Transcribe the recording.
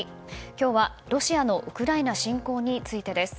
今日は、ロシアのウクライナ侵攻についてです。